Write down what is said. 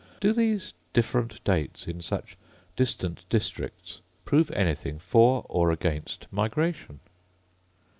Do these different dates, in such distant districts, prove anything for or against migration